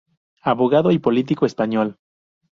Abogado y político español.